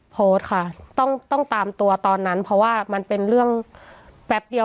โพสต์ค่ะต้องต้องตามตัวตอนนั้นเพราะว่ามันเป็นเรื่องแป๊บเดียว